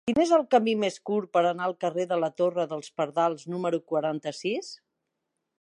Quin és el camí més curt per anar al carrer de la Torre dels Pardals número quaranta-sis?